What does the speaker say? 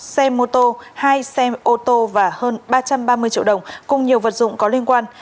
một mươi bốn xe mô tô hai xe ô tô và hơn ba trăm ba mươi triệu đồng cùng nhiều vật dụng có liên quan